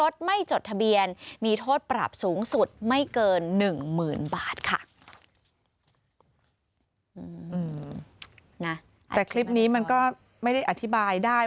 แต่คลิปนี้มันก็ไม่ได้อธิบายได้